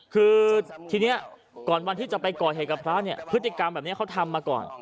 คือทีนี้ก่อนวันที่จะไปก่อเหตุกับพระเนี่ยพฤติกรรมแบบนี้เขาทำมาก่อน